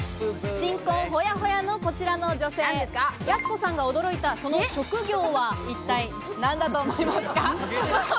新婚ホヤホヤのこちらの女性、やす子さんが驚いたその職業は、一体何だと思いますか？